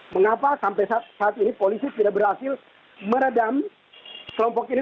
mengapa sampai saat ini polisi tidak berhasil meredam kelompok ini